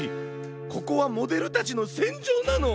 ここはモデルたちのせんじょうなの！